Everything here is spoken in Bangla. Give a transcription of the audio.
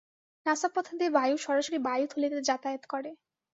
নাসাপথ দিয়ে বায়ু সরাসরি বায়ুথলিতে যাতায়াত করে।